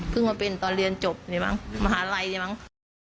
มาเป็นตอนเรียนจบนี่มั้งมหาลัยเนี่ยมั้ง